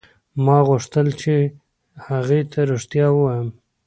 ما غوښتل چې هغې ته رښتیا ووایم.